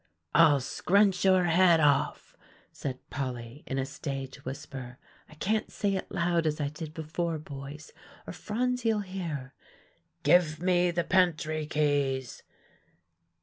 "'I'll scrunch your head off,'" said Polly in a stage whisper. "I can't say it loud as I did before, boys, or Phronsie'll hear. 'Give me the pantry keys!